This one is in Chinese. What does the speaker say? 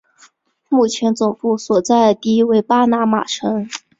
目前总部所在地为巴拿马城。